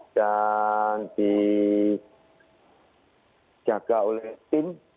dan dijaga oleh tim